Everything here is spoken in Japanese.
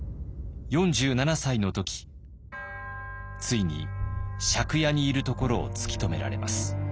４７歳の時ついに借家にいるところを突き止められます。